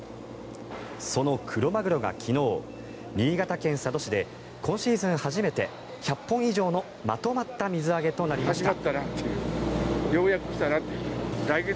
そのクロマグロが昨日新潟県佐渡市で今シーズン初めて１００本以上のまとまった水揚げとなりました。